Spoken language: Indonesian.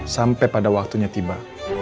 sampai pada waktunya tiba